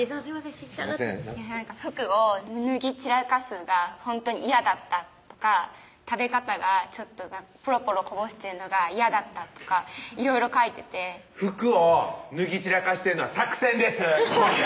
知りたがって「服を脱ぎ散らかすのがほんとに嫌だった」とか「食べ方がちょっとぽろぽろこぼしてるのが嫌だった」とかいろいろ書いてて服を脱ぎ散らかしてるのは作戦です！